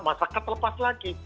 masa kelepas lagi